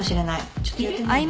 ちょっとやってみるね。